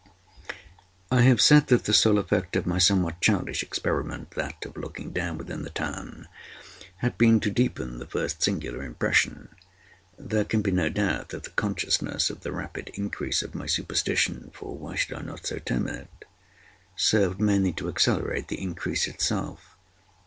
I have said that the sole effect of my somewhat childish experiment—that of looking down within the tarn—had been to deepen the first singular impression. There can be no doubt that the consciousness of the rapid increase of my superstition—for why should I not so term it?—served mainly to accelerate the increase itself.